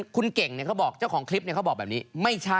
คุณเก่งเนี้ยก็บอกเจ้าของคลิปเนี้ยก็บอกแบบนี้ไม่ใช่